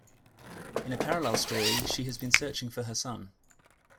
In a parallel story, she has been searching for her son.